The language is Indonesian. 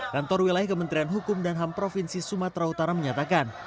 kantor wilayah kementerian hukum dan ham provinsi sumatera utara menyatakan